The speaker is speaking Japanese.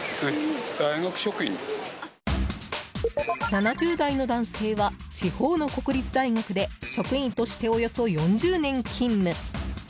７０代の男性は地方の国立大学で職員としておよそ４０年勤務。